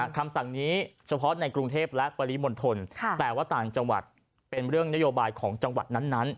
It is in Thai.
คำสั่งนี้เฉพาะในกรุงเทพและปริมณฑลแต่ว่าต่างจังหวัดเป็นเรื่องนโยบายของจังหวัดนั้น